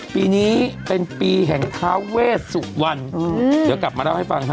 ปีนี้เป็นปีแห่งท้าเวสวรรณเดี๋ยวกลับมาเล่าให้ฟังฮะ